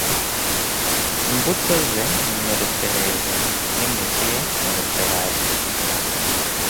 imbuto ze nturutse hejuru n imizi ye nturutse hasi